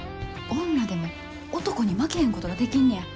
女でも男に負けへんことができんねや。